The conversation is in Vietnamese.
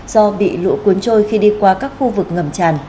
do bị lũ cuốn trôi khi đi qua các khu vực ngầm tràn